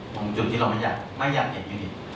ของจุดที่เราไม่อยากเห็นอยู่นี่